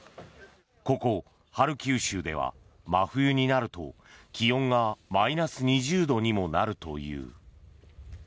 ここハルキウ州では真冬になると気温がマイナス２０度にもなるという。